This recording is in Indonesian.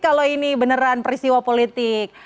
kalau ini beneran peristiwa politik